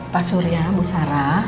pak surya bu sarah